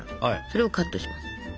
それをカットします。